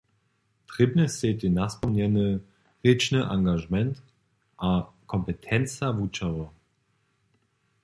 Trěbnej stej tež naspomnjeny rěčny angažement a kompetenca wučerjow.